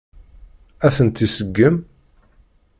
Ad tent-iseggem?